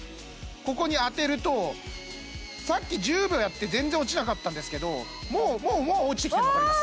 ここに当てるとさっき１０秒やって全然落ちなかったんですけどもう落ちてきてるの分かります？